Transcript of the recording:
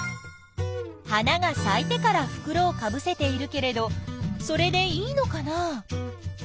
花がさいてからふくろをかぶせているけれどそれでいいのかな？